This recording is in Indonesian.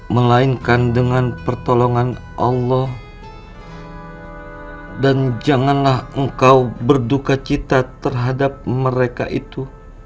melainkan dengan pertolongan allah dan janganlah engkau berduka cita terhadap mereka itu